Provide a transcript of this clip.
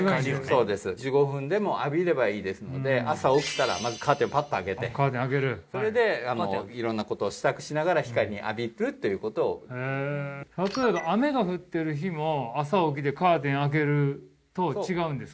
そうです１５分でも浴びればいいですので朝起きたらまずカーテンをパッと開けてそれで色んなことを支度しながら光を浴びるということを例えば雨が降ってる日も朝起きてカーテン開けると違うんですか？